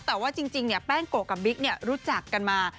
แต่ว่าจริงแป้งโกะกับบิ๊กรู้จักกันมา